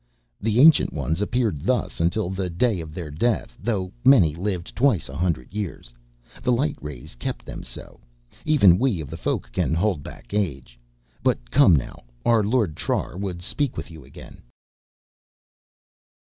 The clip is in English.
"The Ancient Ones appeared thus until the day of their death, though many lived twice a hundred years. The light rays kept them so. Even we of the Folk can hold back age. But come now, our Lord Trar would speak with you again."